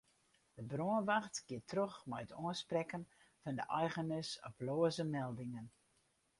De brânwacht giet troch mei it oansprekken fan de eigeners op loaze meldingen.